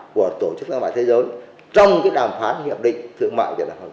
của tổ chức thương mại thế giới trong cái đàm phán hiệp định thương mại